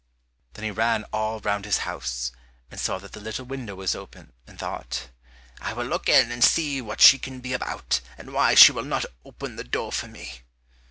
Then he ran all round his house, and saw that the little window was open, and thought, "I will look in and see what she can be about, and why she will not open the door for me."